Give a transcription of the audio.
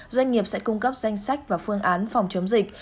doanh nghiệp sẽ cung cấp danh sách và phương án phòng chống dịch